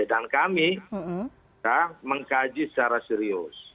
dan kami mengkaji secara serius